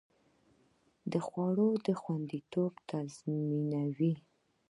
د خوړو خوندیتوب تضمینوي.